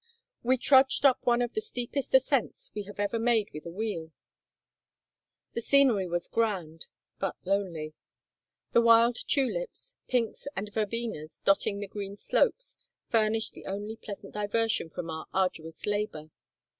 We trudged up one of the steepest ascents we have ever made with a wheel. The scenery was grand, but lonely. The wild tulips, pinks, and verbenas dotting the green slopes furnished the only pleasant diversion from our arduous labor.